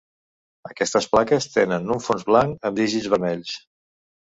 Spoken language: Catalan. Aquestes plaques tenen un fons blanc amb dígits vermells.